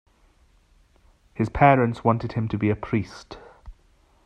His parents wanted him to be a priest.